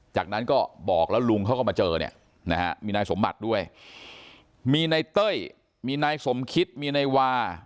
จากนั้นก็บอกแล้วลุงเขาก็มาเจอเนี่ยนะฮะมีนายสมบัติด้วยมีนายเต้ยมีนายสมคิดมีนายวา